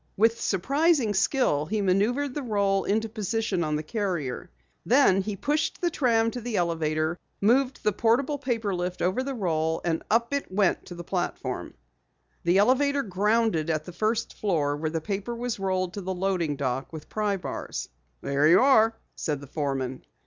With surprising skill, he maneuvered the roll into position on the carrier. Then he pushed the tram to the elevator, moved the portable paper lift over the roll, and up it went to the platform. The elevator grounded at the first floor where the paper was rolled to the loading dock with pry bars. "There you are," said the foreman.